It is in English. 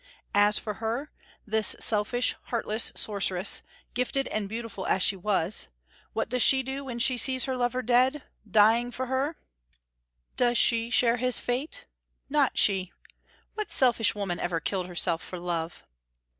As for her, this selfish, heartless sorceress, gifted and beautiful as she was, what does she do when she sees her lover dead, dying for her? Does she share his fate? Not she. What selfish woman ever killed herself for love?